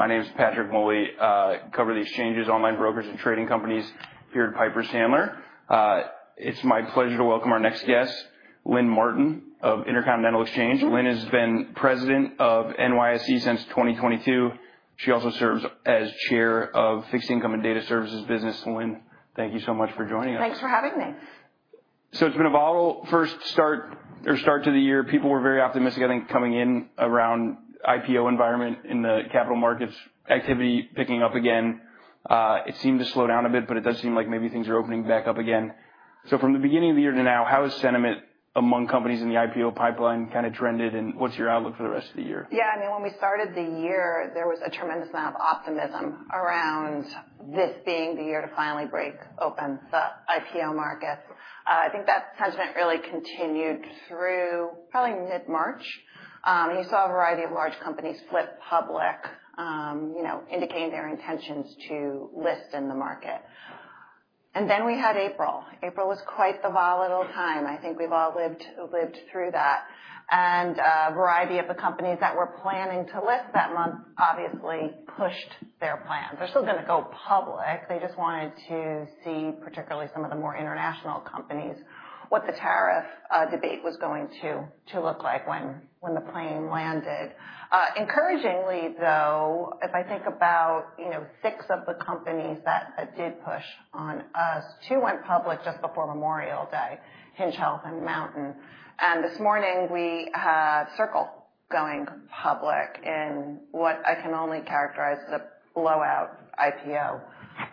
My name is Patrick Moley, Covered Exchanges, Online Brokers, and Trading Companies, here at Piper Sandler. It's my pleasure to welcome our next guest, Lynn Martin of Intercontinental Exchange. Lynn has been President of NYSE since 2022. She also serves as Chair of Fixed Income and Data Services Business. Lynn, thank you so much for joining us. Thanks for having me. It's been a volatile first start to the year. People were very optimistic, I think, coming in around the IPO environment in the capital markets. Activity picking up again. It seemed to slow down a bit, but it does seem like maybe things are opening back up again. From the beginning of the year to now, how has sentiment among companies in the IPO pipeline kind of trended, and what's your outlook for the rest of the year? Yeah, I mean, when we started the year, there was a tremendous amount of optimism around this being the year to finally break open the IPO markets. I think that sentiment really continued through probably mid-March. You saw a variety of large companies flip public, indicating their intentions to list in the market. April was quite the volatile time. I think we've all lived through that. A variety of the companies that were planning to list that month obviously pushed their plans. They're still going to go public. They just wanted to see, particularly some of the more international companies, what the tariff debate was going to look like when the plane landed. Encouragingly, though, if I think about six of the companies that did push on us, two went public just before Memorial Day, Hinge Health and MNTN. This morning, we have Circle going public in what I can only characterize as a blowout IPO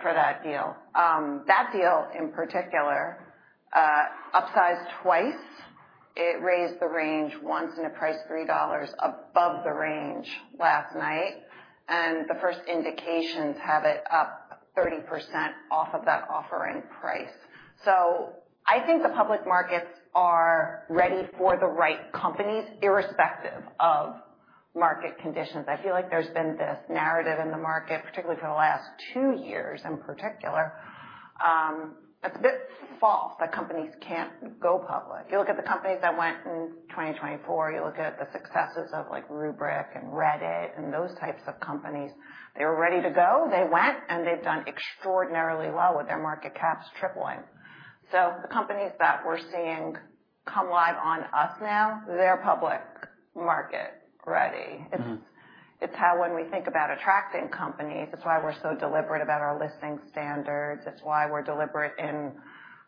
for that deal. That deal, in particular, upsized twice. It raised the range once and it priced $3 above the range last night. The first indications have it up 30% off of that offering price. I think the public markets are ready for the right companies, irrespective of market conditions. I feel like there's been this narrative in the market, particularly for the last two years in particular, that's a bit false that companies can't go public. You look at the companies that went in 2024, you look at the successes of Rubrik and Reddit and those types of companies, they were ready to go. They went, and they've done extraordinarily well with their market caps tripling. The companies that we're seeing come live on us now, they're public market ready. It's how when we think about attracting companies, it's why we're so deliberate about our listing standards. It's why we're deliberate in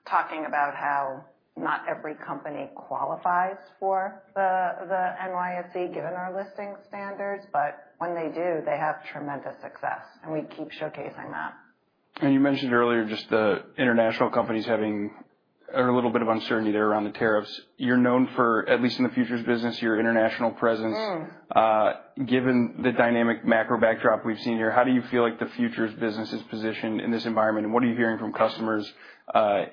talking about how not every company qualifies for the NYSE given our listing standards. When they do, they have tremendous success, and we keep showcasing that. You mentioned earlier just the international companies having a little bit of uncertainty there around the tariffs. You're known for, at least in the futures business, your international presence. Given the dynamic macro backdrop we've seen here, how do you feel like the futures business is positioned in this environment, and what are you hearing from customers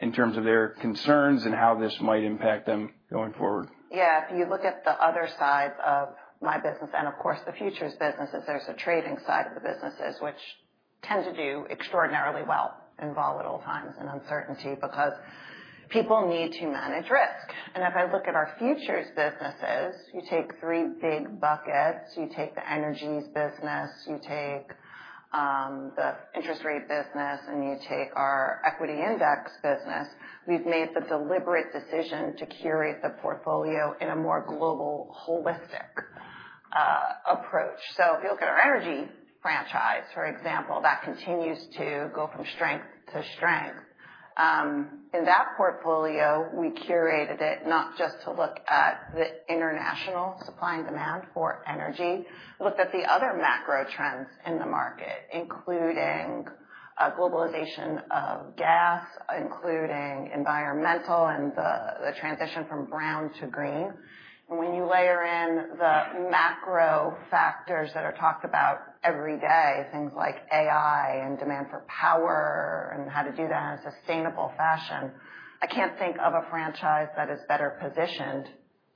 in terms of their concerns and how this might impact them going forward? Yeah, if you look at the other side of my business and, of course, the futures businesses, there's a trading side of the businesses which tend to do extraordinarily well in volatile times and uncertainty because people need to manage risk. If I look at our futures businesses, you take three big buckets. You take the energies business, you take the interest rate business, and you take our equity index business. We've made the deliberate decision to curate the portfolio in a more global, holistic approach. If you look at our energy franchise, for example, that continues to go from strength to strength. In that portfolio, we curated it not just to look at the international supply and demand for energy, looked at the other macro trends in the market, including globalization of gas, including environmental and the transition from brown to green. When you layer in the macro factors that are talked about every day, things like AI and demand for power and how to do that in a sustainable fashion, I cannot think of a franchise that is better positioned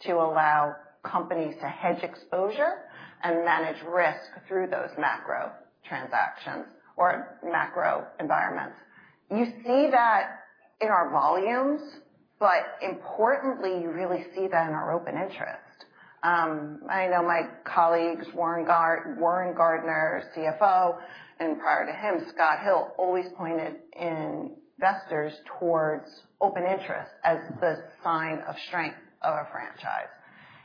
to allow companies to hedge exposure and manage risk through those macro transactions or macro environments. You see that in our volumes, but importantly, you really see that in our open interest. I know my colleagues, Warren Gardiner, CFO, and prior to him, Scott Hill, always pointed investors towards open interest as the sign of strength of a franchise.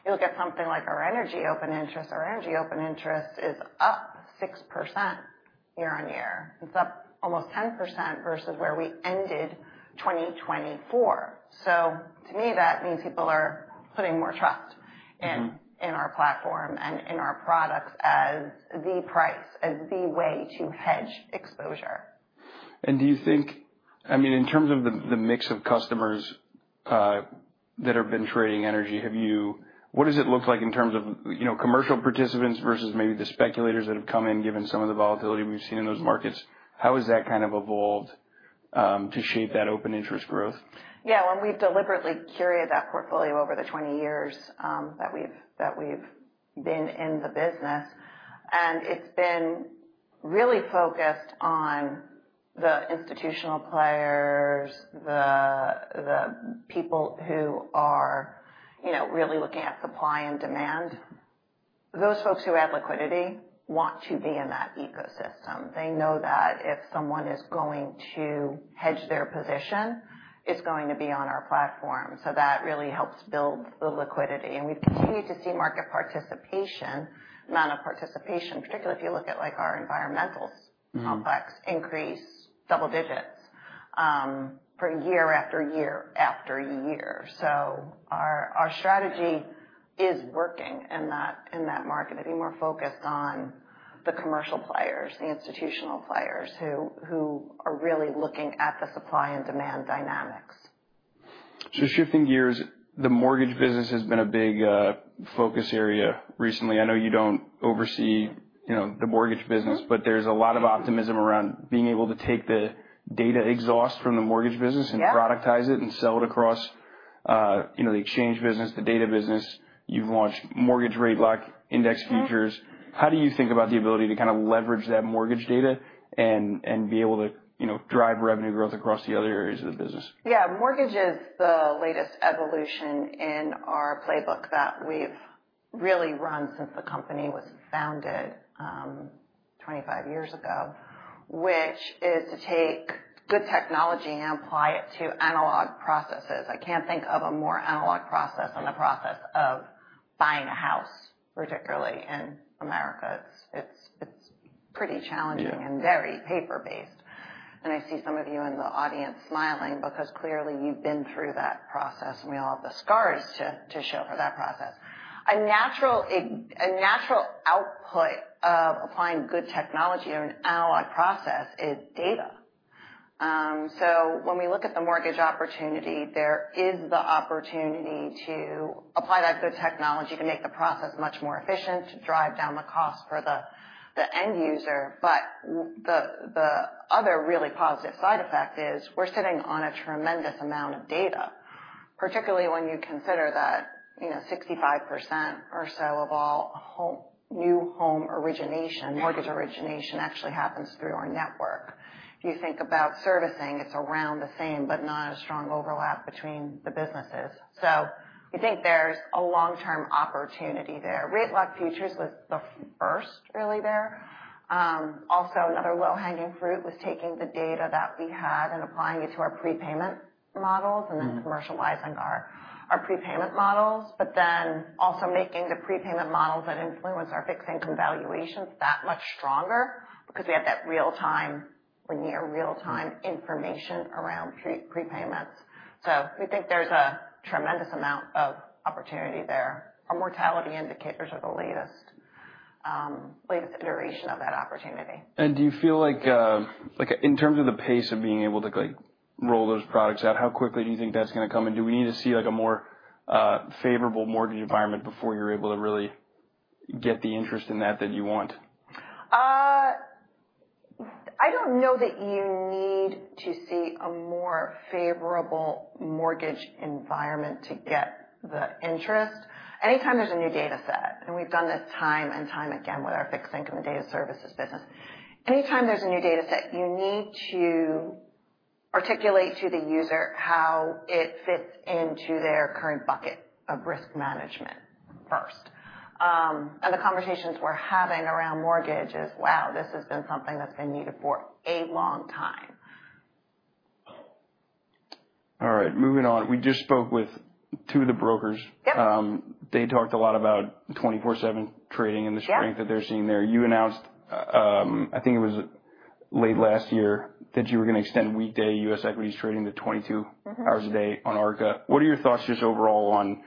You look at something like our energy open interest. Our energy open interest is up 6% year on year. It is up almost 10% versus where we ended 2024. To me, that means people are putting more trust in our platform and in our products as the price, as the way to hedge exposure. Do you think, I mean, in terms of the mix of customers that have been trading energy, what does it look like in terms of commercial participants versus maybe the speculators that have come in given some of the volatility we've seen in those markets? How has that kind of evolved to shape that open interest growth? Yeah, when we've deliberately curated that portfolio over the 20 years that we've been in the business, and it's been really focused on the institutional players, the people who are really looking at supply and demand, those folks who add liquidity want to be in that ecosystem. They know that if someone is going to hedge their position, it's going to be on our platform. That really helps build the liquidity. We've continued to see market participation, amount of participation, particularly if you look at our environmental complex, increase double digits year after year after year. Our strategy is working in that market. It'd be more focused on the commercial players, the institutional players who are really looking at the supply and demand dynamics. Shifting gears, the mortgage business has been a big focus area recently. I know you don't oversee the mortgage business, but there's a lot of optimism around being able to take the data exhaust from the mortgage business and productize it and sell it across the exchange business, the data business. You've launched Mortgage Rate Lock Index Futures. How do you think about the ability to kind of leverage that mortgage data and be able to drive revenue growth across the other areas of the business? Yeah, mortgage is the latest evolution in our playbook that we've really run since the company was founded 25 years ago, which is to take good technology and apply it to analog processes. I can't think of a more analog process than the process of buying a house, particularly in America. It's pretty challenging and very paper-based. I see some of you in the audience smiling because clearly you've been through that process, and we all have the scars to show for that process. A natural output of applying good technology or an analog process is data. When we look at the mortgage opportunity, there is the opportunity to apply that good technology to make the process much more efficient, to drive down the cost for the end user. The other really positive side effect is we're sitting on a tremendous amount of data, particularly when you consider that 65% or so of all new home origination, mortgage origination actually happens through our network. If you think about servicing, it's around the same, but not a strong overlap between the businesses. I think there's a long-term opportunity there. Rate lock futures was the first really there. Also, another low-hanging fruit was taking the data that we had and applying it to our prepayment models and then commercializing our prepayment models, but then also making the prepayment models that influence our fixed income valuations that much stronger because we have that real-time, near real-time information around prepayments. We think there's a tremendous amount of opportunity there. Our mortality indicators are the latest iteration of that opportunity. Do you feel like in terms of the pace of being able to roll those products out, how quickly do you think that's going to come? Do we need to see a more favorable mortgage environment before you're able to really get the interest in that that you want? I don't know that you need to see a more favorable mortgage environment to get the interest. Anytime there's a new data set, and we've done this time and time again with our fixed income and data services business, anytime there's a new data set, you need to articulate to the user how it fits into their current bucket of risk management first. The conversations we're having around mortgage is, wow, this has been something that's been needed for a long time. All right, moving on. We just spoke with two of the brokers. They talked a lot about 24/7 trading and the strength that they're seeing there. You announced, I think it was late last year, that you were going to extend weekday U.S. equities trading to 22 hours a day on Arca. What are your thoughts just overall on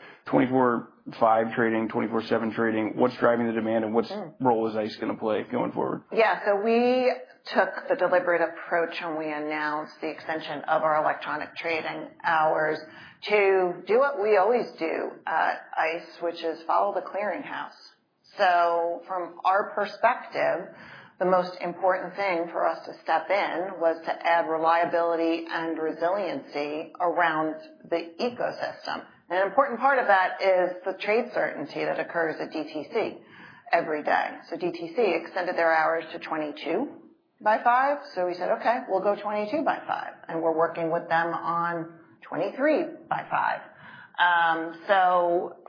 24/5 trading, 24/7 trading? What's driving the demand, and what role is ICE going to play going forward? Yeah, so we took the deliberate approach, and we announced the extension of our electronic trading hours to do what we always do at ICE, which is follow the clearing house. From our perspective, the most important thing for us to step in was to add reliability and resiliency around the ecosystem. An important part of that is the trade certainty that occurs at DTC every day. DTC extended their hours to 22/5. We said, okay, we'll go 22/5, and we're working with them on 23/5.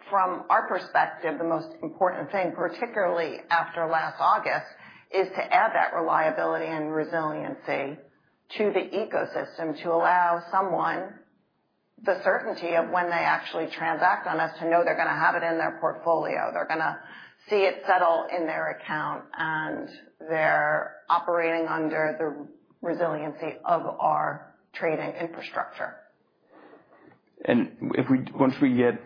From our perspective, the most important thing, particularly after last August, is to add that reliability and resiliency to the ecosystem to allow someone the certainty of when they actually transact on us to know they're going to have it in their portfolio. They're going to see it settle in their account, and they're operating under the resiliency of our trading infrastructure. Once we get,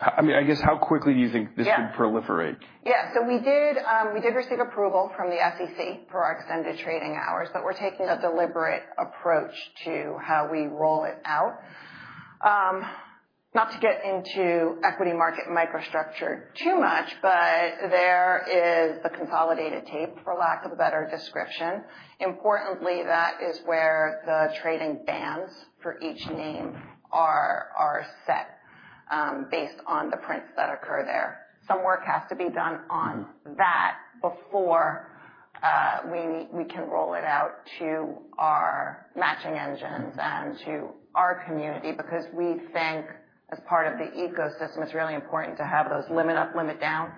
I mean, I guess how quickly do you think this could proliferate? Yeah, so we did receive approval from the SEC for our extended trading hours, but we're taking a deliberate approach to how we roll it out. Not to get into equity market microstructure too much, but there is the consolidated tape, for lack of a better description. Importantly, that is where the trading bans for each name are set based on the prints that occur there. Some work has to be done on that before we can roll it out to our matching engines and to our community because we think as part of the ecosystem, it's really important to have those limit up, limit down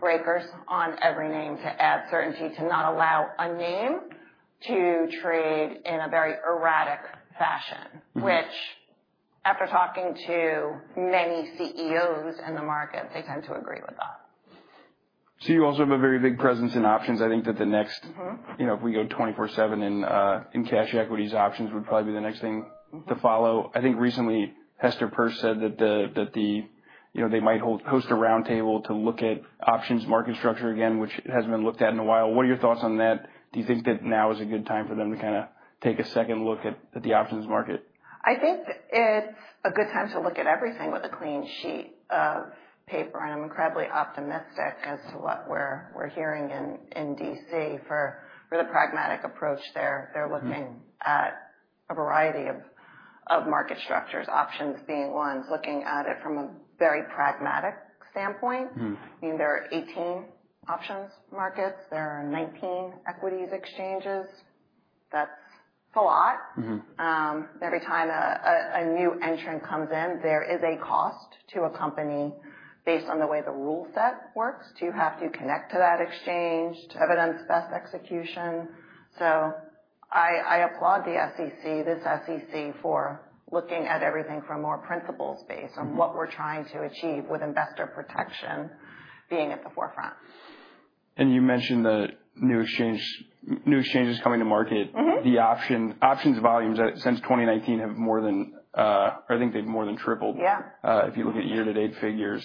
breakers on every name to add certainty to not allow a name to trade in a very erratic fashion, which after talking to many CEOs in the market, they tend to agree with that. You also have a very big presence in options. I think that the next, if we go 24/7 in cash equities, options would probably be the next thing to follow. I think recently Hester Peirce said that they might host a roundtable to look at options market structure again, which has not been looked at in a while. What are your thoughts on that? Do you think that now is a good time for them to kind of take a second look at the options market? I think it's a good time to look at everything with a clean sheet of paper, and I'm incredibly optimistic as to what we're hearing in D.C. for the pragmatic approach there. They're looking at a variety of market structures, options being ones. Looking at it from a very pragmatic standpoint, I mean, there are 18 options markets. There are 19 equities exchanges. That's a lot. Every time a new entrant comes in, there is a cost to a company based on the way the rule set works to have to connect to that exchange to evidence best execution. I applaud this SEC for looking at everything from a more principles base and what we're trying to achieve with investor protection being at the forefront. You mentioned the new exchanges coming to market. The options volumes since 2019 have more than, I think they've more than tripled if you look at year-to-date figures.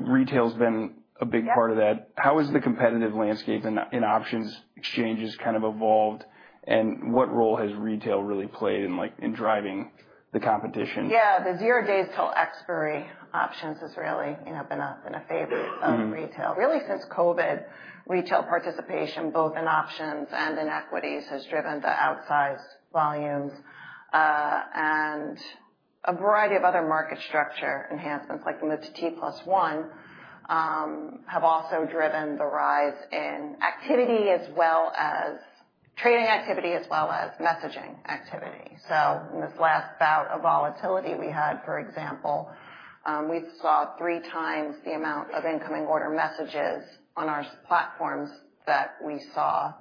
Retail's been a big part of that. How has the competitive landscape in options exchanges kind of evolved, and what role has retail really played in driving the competition? Yeah, the zero-days till expiry options has really been a favorite of retail. Really since COVID, retail participation both in options and in equities has driven the outsized volumes, and a variety of other market structure enhancements like the T+1 have also driven the rise in activity as well as trading activity as well as messaging activity. In this last bout of volatility we had, for example, we saw three times the amount of incoming order messages on our platforms that we saw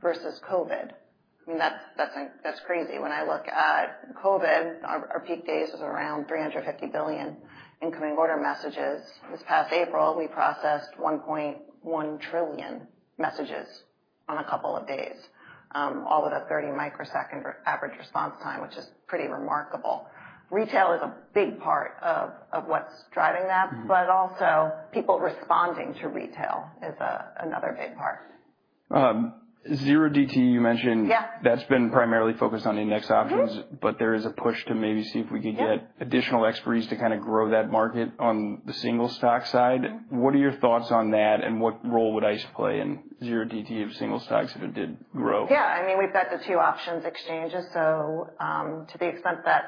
versus COVID. I mean, that's crazy. When I look at COVID, our peak days was around 350 billion incoming order messages. This past April, we processed 1.1 trillion messages on a couple of days, all with a 30-microsecond average response time, which is pretty remarkable. Retail is a big part of what's driving that, but also people responding to retail is another big part. 0DTE, you mentioned that's been primarily focused on index options, but there is a push to maybe see if we could get additional expertise to kind of grow that market on the single stock side. What are your thoughts on that, and what role would ICE play in 0DTE of single stocks if it did grow? Yeah, I mean, we've got the two options exchanges. To the extent that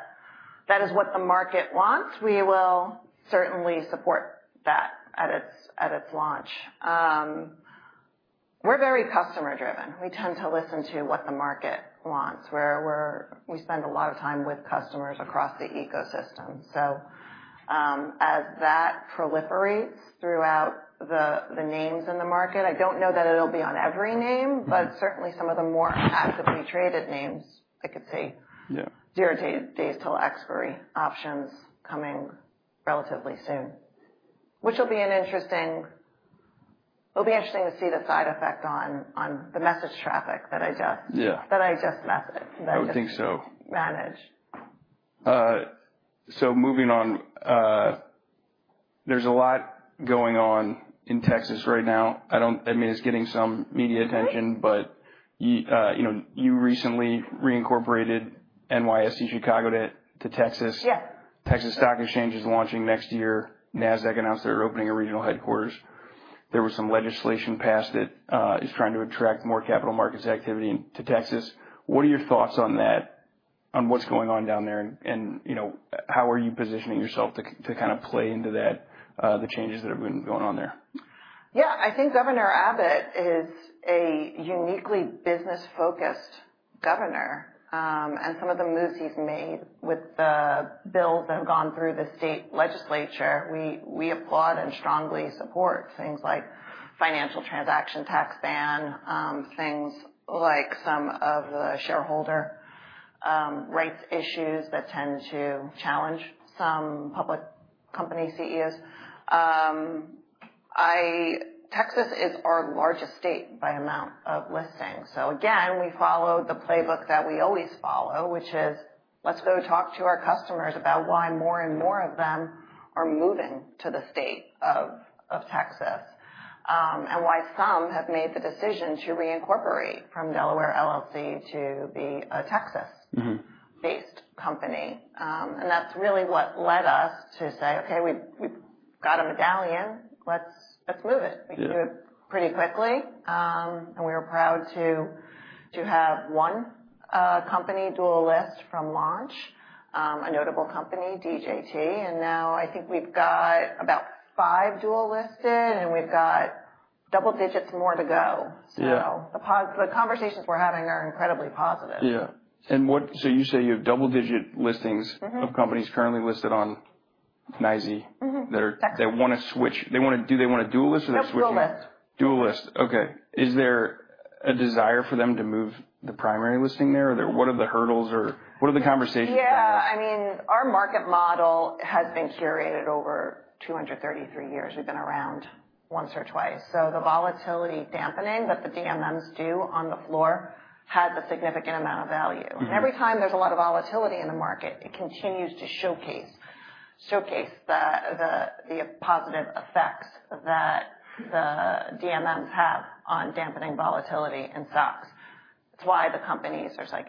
that is what the market wants, we will certainly support that at its launch. We're very customer-driven. We tend to listen to what the market wants. We spend a lot of time with customers across the ecosystem. As that proliferates throughout the names in the market, I don't know that it'll be on every name, but certainly some of the more actively traded names, I could see zero-days to expiry options coming relatively soon, which will be interesting. It'll be interesting to see the side effect on the message traffic that I just— Yeah. That I just managed. I would think so. Managed. Moving on, there's a lot going on in Texas right now. I mean, it's getting some media attention, but you recently reincorporated NYSE Chicago to Texas. Texas Stock Exchange is launching next year. Nasdaq announced they're opening a regional headquarters. There was some legislation passed that is trying to attract more capital markets activity to Texas. What are your thoughts on that, on what's going on down there, and how are you positioning yourself to kind of play into the changes that have been going on there? Yeah, I think Governor Abbott is a uniquely business-focused governor, and some of the moves he's made with the bills that have gone through the state legislature, we applaud and strongly support things like financial transaction tax ban, things like some of the shareholder rights issues that tend to challenge some public company CEOs. Texas is our largest state by amount of listing. Again, we follow the playbook that we always follow, which is let's go talk to our customers about why more and more of them are moving to the state of Texas and why some have made the decision to reincorporate from Delaware to be a Texas-based company. That's really what led us to say, okay, we've got a medallion. Let's move it. We can do it pretty quickly. We were proud to have one company dual list from launch, a notable company, DJT. I think we've got about five dual listed, and we've got double digits more to go. The conversations we're having are incredibly positive. Yeah. And so you say you have double-digit listings of companies currently listed on NYSE that want to switch. Do they want to dual list or they're switching? Just dual list. Dual list. Okay. Is there a desire for them to move the primary listing there? What are the hurdles or what are the conversations? Yeah. I mean, our market model has been curated over 233 years. We've been around once or twice. The volatility dampening that the DMMs do on the floor has a significant amount of value. Every time there's a lot of volatility in the market, it continues to showcase the positive effects that the DMMs have on dampening volatility in stocks. It's why the companies are like,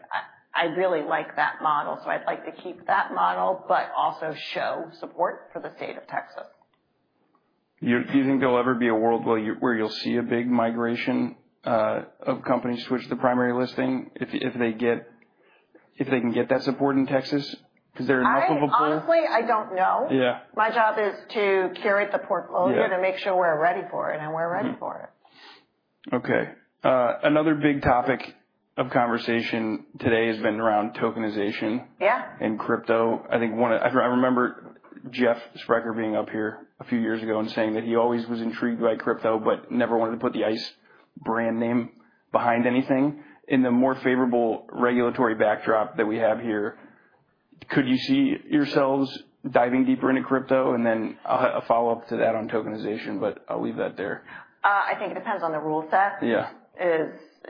"I really like that model, so I'd like to keep that model, but also show support for the state of Texas. Do you think there'll ever be a world where you'll see a big migration of companies switch the primary listing if they can get that support in Texas? Because they're enough of a pull. Honestly, I don't know. My job is to curate the portfolio to make sure we're ready for it, and we're ready for it. Okay. Another big topic of conversation today has been around tokenization in crypto. I think I remember Jeff Sprecher being up here a few years ago and saying that he always was intrigued by crypto but never wanted to put the ICE brand name behind anything. In the more favorable regulatory backdrop that we have here, could you see yourselves diving deeper into crypto? I will have a follow-up to that on tokenization, but I will leave that there. I think it depends on the rule set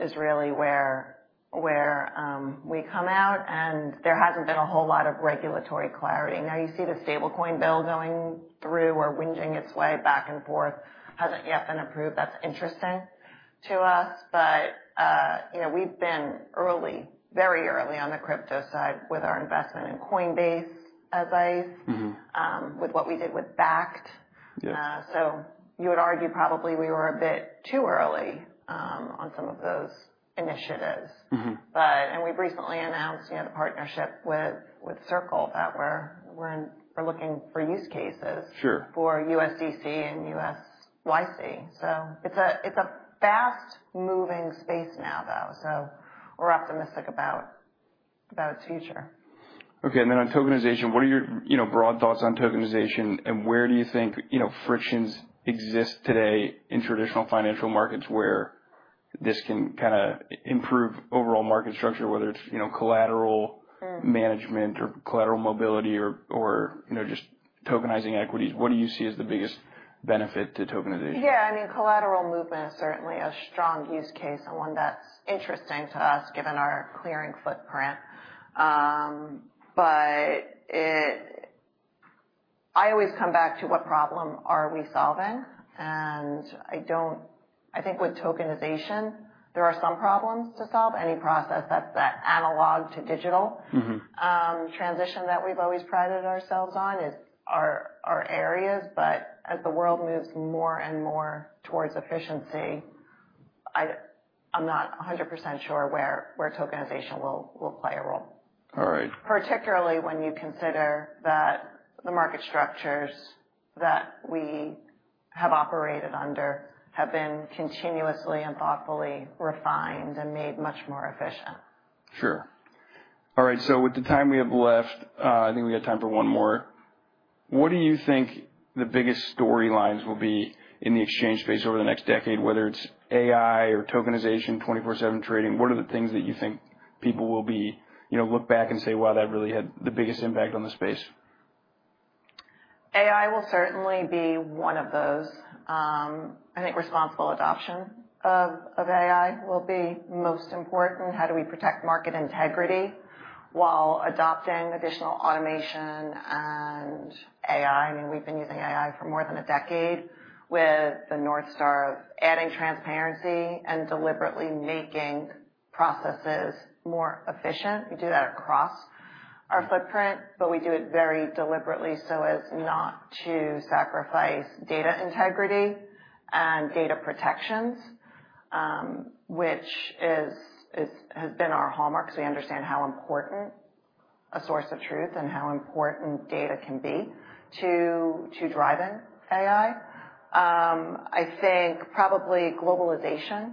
is really where we come out, and there has not been a whole lot of regulatory clarity. Now you see the stablecoin bill going through or whinging its way back and forth, has not yet been approved. That is interesting to us, but we have been early, very early on the crypto side with our investment in Coinbase as ICE with what we did with Bakkt. You would argue probably we were a bit too early on some of those initiatives. We have recently announced the partnership with Circle that we are looking for use cases for USDC and USYC. It is a fast-moving space now, though. We are optimistic about its future. Okay. On tokenization, what are your broad thoughts on tokenization, and where do you think frictions exist today in traditional financial markets where this can kind of improve overall market structure, whether it is collateral management or collateral mobility or just tokenizing equities? What do you see as the biggest benefit to tokenization? Yeah. I mean, collateral movement is certainly a strong use case and one that's interesting to us given our clearing footprint. I always come back to what problem are we solving? I think with tokenization, there are some problems to solve. Any process that's that analog to digital transition that we've always prided ourselves on are areas, but as the world moves more and more towards efficiency, I'm not 100% sure where tokenization will play a role. All right. Particularly when you consider that the market structures that we have operated under have been continuously and thoughtfully refined and made much more efficient. Sure. All right. So with the time we have left, I think we have time for one more. What do you think the biggest storylines will be in the exchange space over the next decade, whether it's AI or tokenization, 24/7 trading? What are the things that you think people will look back and say, "Wow, that really had the biggest impact on the space? AI will certainly be one of those. I think responsible adoption of AI will be most important. How do we protect market integrity while adopting additional automation and AI? I mean, we've been using AI for more than a decade with the North Star of adding transparency and deliberately making processes more efficient. We do that across our footprint, but we do it very deliberately so as not to sacrifice data integrity and data protections, which has been our hallmark. So we understand how important a source of truth and how important data can be to driving AI. I think probably globalization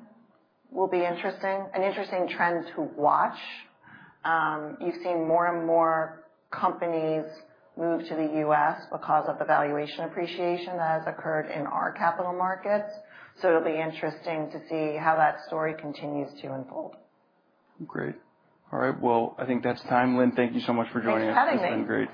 will be an interesting trend to watch. You've seen more and more companies move to the U.S. because of the valuation appreciation that has occurred in our capital markets. It will be interesting to see how that story continues to unfold. Great. All right. I think that's time. Lynn, thank you so much for joining us. Thanks for having me. It's been great.